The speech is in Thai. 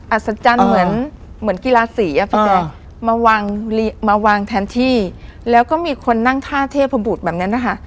อัศจรรย์เหมือนกีฬาสีมาวางแทนที่แล้วก็มีคนนั่งท่าเทพบุตรแบบนั้นนะฮะ